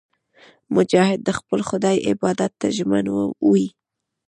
مجاهد د خپل خدای عبادت ته ژمن وي.